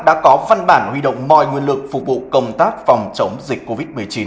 đã có văn bản huy động mọi nguồn lực phục vụ công tác phòng chống dịch covid một mươi chín